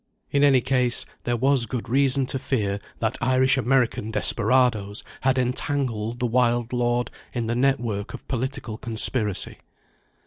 In any case there was good reason to fear that Irish American desperadoes had entangled the wild lord in the network of political conspiracy.